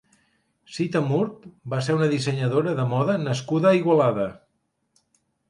Sita Murt va ser una dissenyadora de moda nascuda a Igualada.